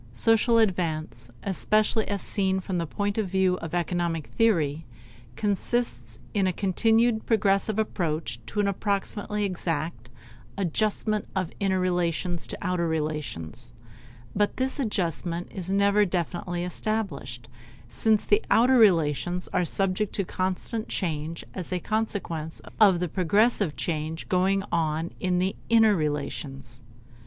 Social advance, especially as seen from the point of view of economic theory, consists in a continued progressive approach to an approximately exact "adjustment of inner relations to outer relations", but this adjustment is never definitively established, since the "outer relations" are subject to constant change as a consequence of the progressive change going on in the "inner relations."